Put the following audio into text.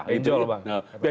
di belakang benjol bang